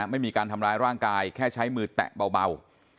ไม่มีการทำร้ายร่างกายแค่ใช้มือแตะเบา